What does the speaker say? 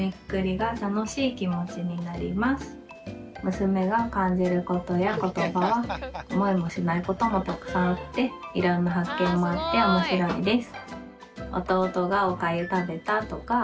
娘が感じることや言葉は思いもしないこともたくさんあっていろんな発見もあっておもしろいです。